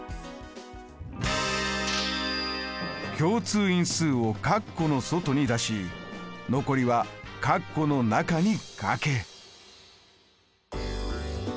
共通因数を括弧の外に出し残りは括弧の中に書け。